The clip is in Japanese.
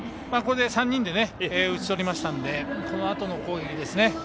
これで３人で打ち取りましたのでこのあとの攻撃ですね。